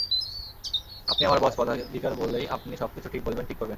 আপনি আমার বস, পদাধিকার বলেই আপনি সবকিছু ঠিক বলবেন, ঠিক করবেন।